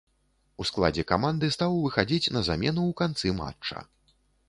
У складзе каманды стаў выхадзіць на замену ў канцы матча.